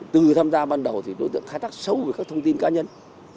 từ tham gia ban đầu thì đối tượng khai tác sâu với các thông tin cá nhân